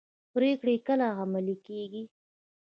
پریکړې کله عملي کیږي؟